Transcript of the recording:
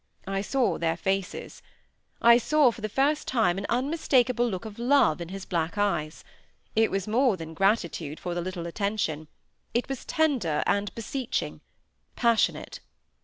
I saw their faces. I saw for the first time an unmistakable look of love in his black eyes; it was more than gratitude for the little attention; it was tender and beseeching—passionate.